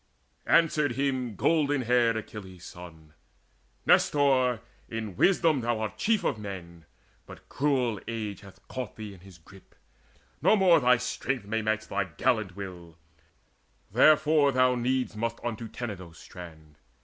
Answered him golden haired Achilles' son: "Nestor, in wisdom art thou chief of men; But cruel age hath caught thee in his grip: No more thy strength may match thy gallant will; Therefore thou needs must unto Tenedos' strand.